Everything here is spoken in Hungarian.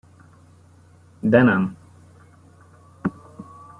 De nem.